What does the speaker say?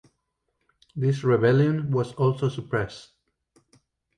This rebellion was also suppressed.